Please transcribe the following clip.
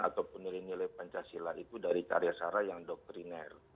ataupun nilai nilai pancasila itu dari karya karya yang doktriner